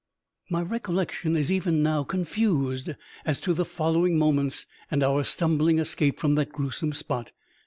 My recollection is even now confused as to the following moments and our stumbling escape from that gruesome spot.